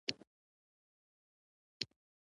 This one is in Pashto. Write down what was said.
نوی کال د بزګر په میله لمانځل کیږي.